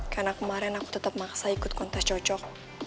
karena kemarin aku tetap maksa ikut kontes cocok